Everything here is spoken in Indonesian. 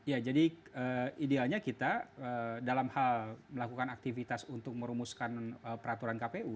ya jadi idealnya kita dalam hal melakukan aktivitas untuk merumuskan peraturan kpu